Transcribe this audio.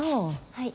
はい。